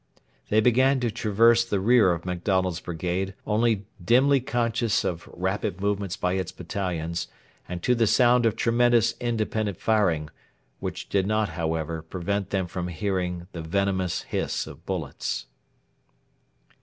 They began to traverse the rear of MacDonald's brigade, dimly conscious of rapid movements by its battalions, and to the sound of tremendous independent firing, which did not, however, prevent them from hearing the venomous hiss of bullets.